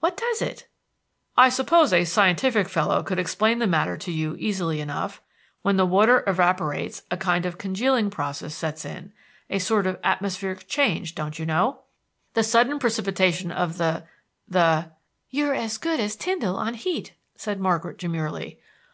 What does it?" "I suppose a scientific fellow could explain the matter to you easily enough. When the water evaporates a kind of congealing process sets in, a sort of atmospheric change, don't you know? The sudden precipitation of the the" "You're as good as Tyndall on Heat," said Margaret demurely.